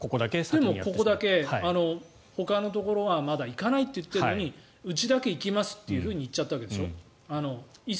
でもここだけほかのところがまだ行かないと言っているのにうちだけ行きますと行っちゃったわけでしょ